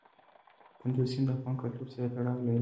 کندز سیند د افغان کلتور سره تړاو لري.